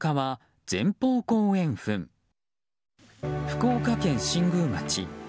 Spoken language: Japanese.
福岡県新宮町。